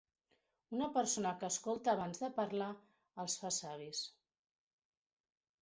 Una persona que escolta abans de parlar els fa savis.